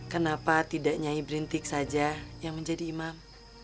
kenapa tidak nyai berintik saja yang menjadi imam